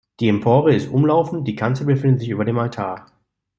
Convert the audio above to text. Die Empore ist umlaufend, die Kanzel befindet sich über dem Altar.